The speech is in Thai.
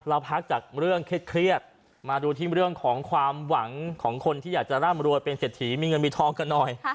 พักจากเรื่องเครียดมาดูที่เรื่องของความหวังของคนที่อยากจะร่ำรวยเป็นเศรษฐีมีเงินมีทองกันหน่อย